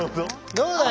どうだい？